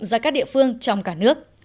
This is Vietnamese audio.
ra các địa phương trong cả nước